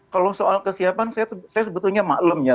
kalau soal kesiapan saya sebetulnya maklem ya